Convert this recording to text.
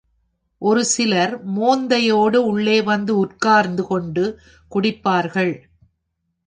ஒரு சிலர் மொந்தை யோடு உள்ளே வந்து உட்கார்த்து கொண்டு குடிப்பார்கள்.